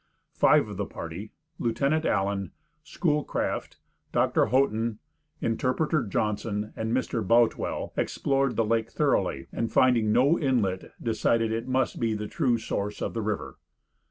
Five of the party, Lieutenant Allen, Schoolcraft, Dr. Houghton, Interpreter Johnson and Mr. Boutwell, explored the lake thoroughly, and finding no inlet, decided it must be the true source of the river.